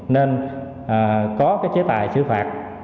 nên có cái chế tài xử phạt